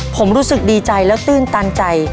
ผมรู้สึกดีใจแล้วตื้นตันใจ